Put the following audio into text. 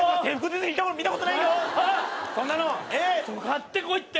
買ってこいって！